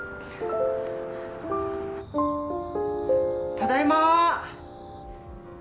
ただいま。